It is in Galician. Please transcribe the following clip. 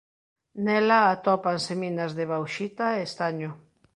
Nela atópanse minas de bauxita e estaño.